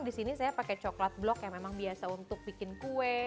di sini saya pakai coklat blok yang memang biasa untuk bikin kue